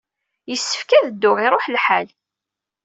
Yessefk ad dduɣ, iṛuḥ lḥal!